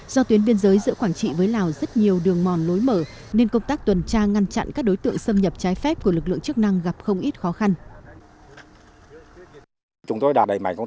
do tuyến biên giới giữa quảng trị với lào rất nhiều đường mòn lối mở nên công tác tuần tra ngăn chặn các đối tượng xâm nhập trái phép của lực lượng chức năng gặp không ít khó khăn